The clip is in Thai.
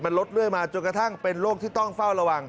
มันลดมาจนกระทั่งเป็นโรคที่ต้องเฝ้าระวัง